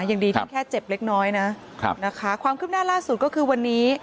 ยังดีที่แค่เจ็บเล็กน้อยนะครับนะคะความคืบหน้าล่าสุดก็คือวันนี้